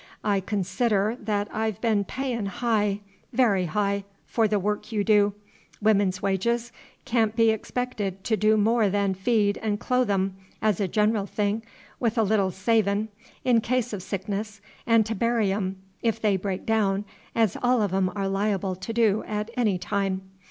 I consider that I've been payin' high, very high, for the work you do. Women's wages can't be expected to do more than feed and clothe 'em, as a gineral thing, with a little savin', in case of sickness, and to bury 'em, if they break daown, as all of 'em are liable to do at any time.